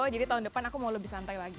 jadi tahun depan aku mau lebih santai lagi